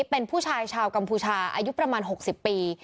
เป็นผู้ชายชาวกัมพูชาอายุประมาณ๖๐ปี